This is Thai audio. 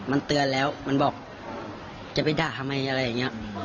มันเตือนแล้วมันบอกจะไปด่าทำไมอะไรอย่างนี้